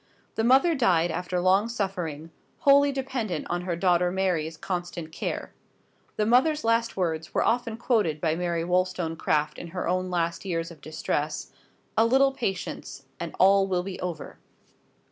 The mother died after long suffering, wholly dependent on her daughter Mary's constant care. The mother's last words were often quoted by Mary Wollstonecraft in her own last years of distress "A little patience, and all will be over."